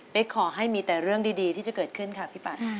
ขอให้มีแต่เรื่องดีที่จะเกิดขึ้นค่ะพี่ปัด